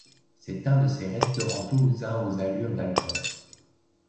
C'est un de ces restaurants toulousains aux allures d'alcôve.